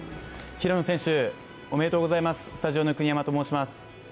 平野選手、おめでとうございます。